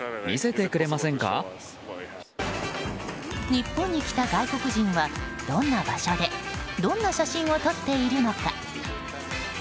日本に来た外国人はどんな場所でどんな写真を撮っているのか？